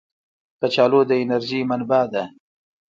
کچالو د انرژۍ منبع ده